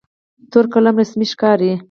تور قلم رسمي ښکاري.